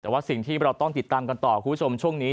แต่ว่าสิ่งที่เราต้องติดตามกันต่อคุณผู้ชมช่วงนี้